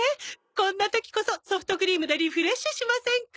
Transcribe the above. こんな時こそソフトクリームでリフレッシュしませんか？